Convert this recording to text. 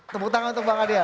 tepuk tangan untuk bang adian